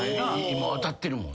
今当たってるもんね。